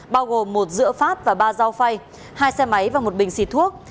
bao gồm một giữa phát và ba dao phay hai xe máy và một bình xịt thuốc